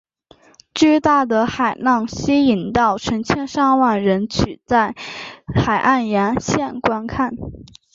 巨大的海浪吸引到成千上万人取在海岸沿线观看。